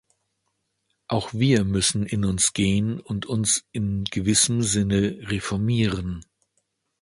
Auch wir müssen in uns gehen und uns in gewissem Sinne reformieren.